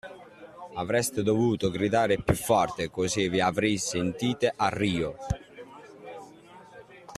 Avreste dovuto gridare più forte, così vi avrei sentite a Rio.